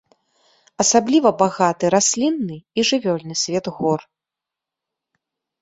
Асабліва багаты раслінны і жывёльны свет гор.